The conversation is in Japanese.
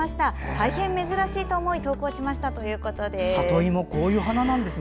大変珍しいと思い投稿しましたということです。